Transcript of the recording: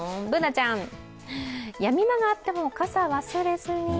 Ｂｏｏｎａちゃん、やみ間があっても、傘忘れずに。